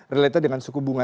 related dengan suku bunga